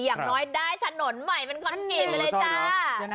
อย่างน้อยได้ถนนใหม่เป็นคอนกรีตไปเลยจ้า